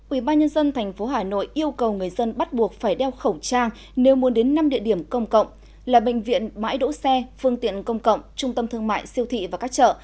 ubnd tp hà nội yêu cầu người dân bắt buộc phải đeo khẩu trang nếu muốn đến năm địa điểm công cộng là bệnh viện mãi đỗ xe phương tiện công cộng trung tâm thương mại siêu thị và các chợ